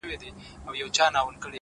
هغه نجلۍ سندره نه غواړي، سندري غواړي،